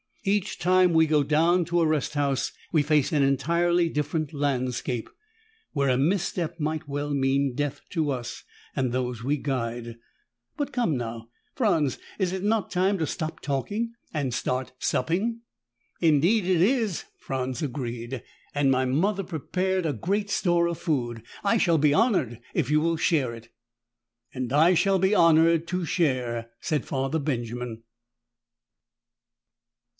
Each time we go down to a rest house, we face an entirely different landscape, where a misstep might well mean death to us and those we guide. But come now, Franz, is it not time to stop talking and start supping?" "Indeed it is," Franz agreed, "and my mother prepared a great store of food. I shall be honored if you will share it." "And I shall be honored to share," said Father Benjamin.